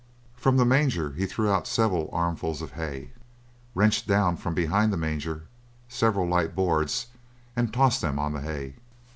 From the manger he threw out several armfuls of hay, wrenched down from behind the manger several light boards, and tossed them on the hay.